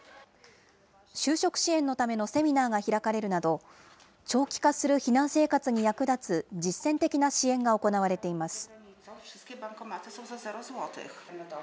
就職支援のためのセミナーが開かれるなど、長期化する避難生活に役立つ実践的な支援が行われています。